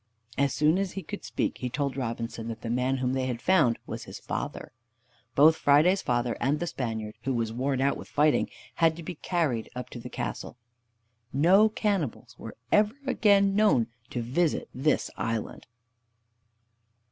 As soon as he could speak, he told Robinson that the man whom they had found was his father. Both Friday's father and the Spaniard, who was worn out with fighting, had to be carried up to the castle. No cannibals were ever again known to visit this island.